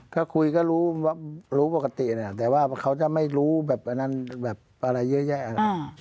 ถ้าคุยก็รู้ปกติเนี่ยแต่ว่าเขาจะไม่รู้แบบอะไรเยอะแยะ